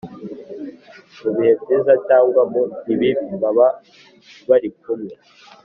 mu bihe byiza cyangwa mu ibibi baba bari kumwe